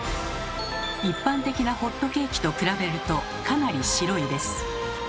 一般的なホットケーキと比べるとかなり白いです。